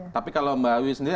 tapi kalau mbak awi sendiri